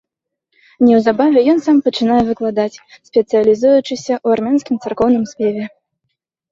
Неўзабаве ён сам пачынае выкладаць, спецыялізуючыся ў армянскім царкоўным спеве.